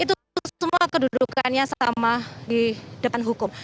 itu semua kedudukannya sama di depan hukum